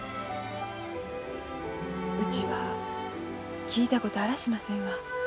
うちは聞いたことあらしませんわ。